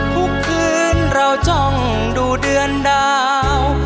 ทุกคืนเราจ้องดูเดือนดาว